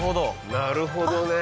なるほどね。